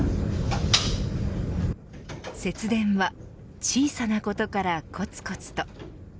節電は小さなことからコツコツと。